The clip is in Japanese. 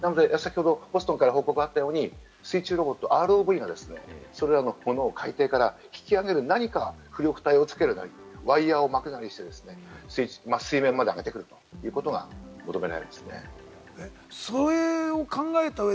ボストンから報告があったように、水中ロボットが海底から引き揚げる、何か浮力体をつける、ワイヤを巻くなりして、水面まで上げてくるということが求められます。